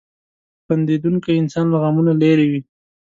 • خندېدونکی انسان له غمونو لرې وي.